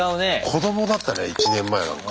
子どもだったね１年前なんか。